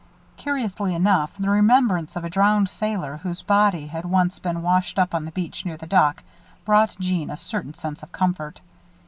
Curiously enough, the remembrance of a drowned sailor, whose body had once been washed up on the beach near the dock, brought Jeanne a certain sense of comfort.